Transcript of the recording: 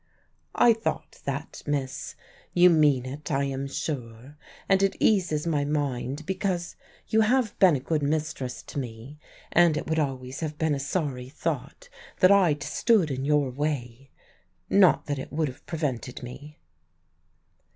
"I thought that, miss. You mean it, I am sure; and it eases my mind; because you have been a good mistress to me, and it would always have been a sorry thought that I'd stood in your way. Not that it would have prevented me."